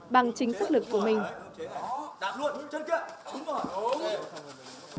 bằng chính sức lực của mình